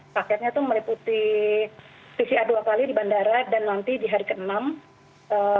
paketnya itu meliputi pcr dua kali di bandara dan nanti di hari ke enam